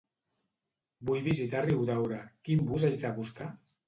Vull visitar Riudaura; quin bus haig de buscar?